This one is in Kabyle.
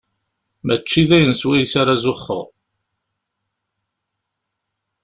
Mačči d ayen swayes ara zuxxeɣ.